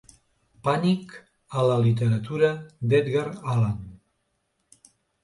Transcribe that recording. Pànic a la literatura d'Edgar Allan.